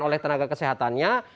oleh tenaga kesehatannya